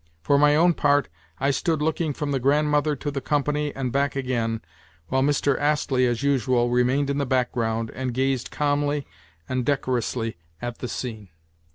For my own part, I stood looking from the Grandmother to the company, and back again, while Mr. Astley, as usual, remained in the background, and gazed calmly and decorously at the scene.